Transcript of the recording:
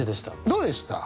どうでした？